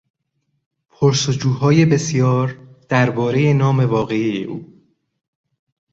پرس و جوهای بسیار دربارهی نام واقعی او